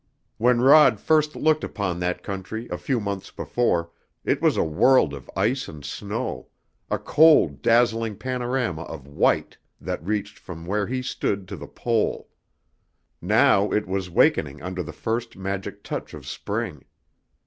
When Rod first looked upon that country a few months before it was a world of ice and snow, a cold, dazzling panorama of white that reached from where he stood to the Pole. Now it was wakening under the first magic touch of spring.